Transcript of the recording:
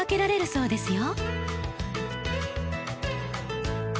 そうですね。